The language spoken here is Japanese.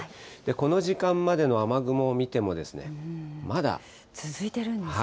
この時間までの雨雲を見ても、ま続いているんですか。